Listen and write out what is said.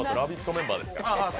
メンバーですから。